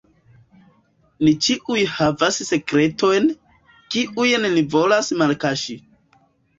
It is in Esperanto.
Ni ĉiuj havas sekretojn, kiujn ni volas malkaŝi.